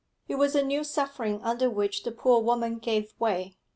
It was a new suffering under which the poor woman gave way.